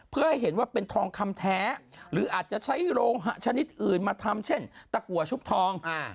เพื่อให้เห็นว่าเป็นทองคำแท้หรืออาจจะใช้โรงหะชนิดอื่นมาทำเช่นตะกัวชุบทอง